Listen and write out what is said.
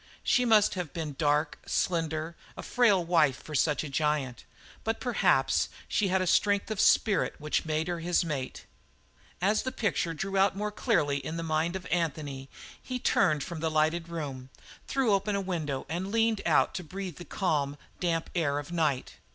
She must have been dark, slender, a frail wife for such a giant; but perhaps she had a strength of spirit which made her his mate. As the picture drew out more clearly in the mind of Anthony, he turned from the lighted room, threw open a window, and leaned out to breathe the calm, damp air of night.